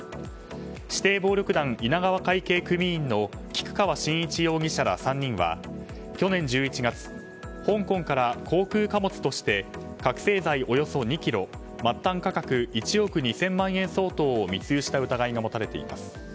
指定暴力団稲川会系組員の菊川伸一容疑者ら３人は去年１１月香港から航空貨物として覚醒剤およそ２ｋｇ末端価格１億２０００万円相当を密輸した疑いが持たれています。